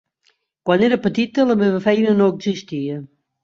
Quan era petita la meva feina no existia.